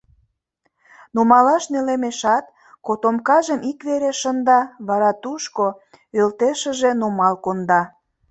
Нумалаш нелемешат, котомкажым ик вере шында, вара тушко ӧлтешыже нумал конда.